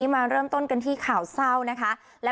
เรามาเริ่มต้นกันที่ข่าวเศซ้า